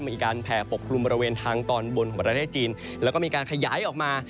มีการแผ่ปกกลุ่มบริเวณทางตอนบนของประเทศจีนแล้วก็มีการขยายออกมา